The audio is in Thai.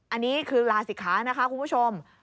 อันนี้คือลาศิกขานะคะคุณผู้ชม